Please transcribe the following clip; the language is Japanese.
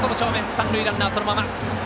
三塁ランナー、そのまま。